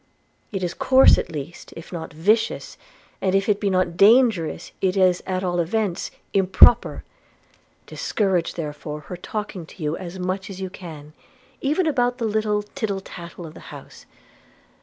It is coarse at least, if not vicious; and, if it be not dangerous, is at all events improper. Discourage therefore her talking to you as much as you can, even about the tittle tattle of the house.'